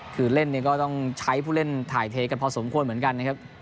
คือเล่นเนี่ยก็ต้องใช้ผู้เล่นถ่ายเทกันพอสมควรเหมือนกันนะครับ